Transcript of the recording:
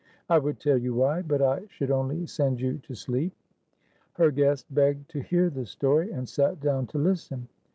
I would tell you whybut I should only send you to sleep." Her guest begged to hear the story, and sat down to listen.